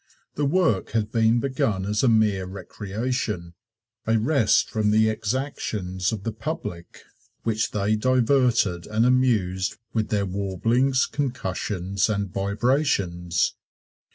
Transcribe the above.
The work had been begun as a mere recreation a rest from the exactions of the public which they diverted and amused with their warblings, concussions and vibrations.